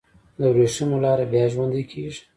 د وریښمو لاره بیا ژوندی کیږي؟